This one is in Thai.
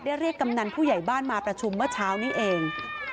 เรียกกำนันผู้ใหญ่บ้านมาประชุมเมื่อเช้านี้เอง